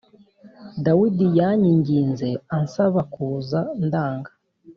Dawidi yanyinginze ansabakuza ndanga